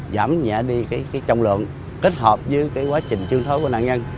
giảm nhẹ đi cái trọng lượng kết hợp với cái quá trình chương thối của nạn nhân